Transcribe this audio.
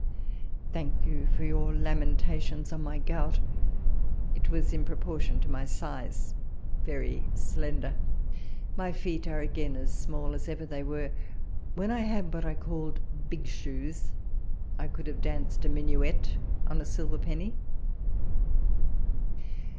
Thank you for your lamentations on my gout ; it was in proportion to my size, very slender — my feet are again as small as ever they were. When I had what I called hig shoes, I could have danced a minuet on a silver penny.